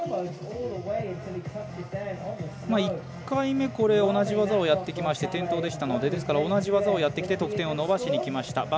１回目同じ技をやってきまして転倒でしたので同じ技をやってきて得点を伸ばしにきました。